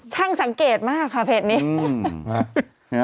ช่างสังเกตมากค่ะเพจนี้